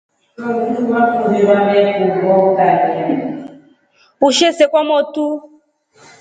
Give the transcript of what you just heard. Ushe see kwa motu.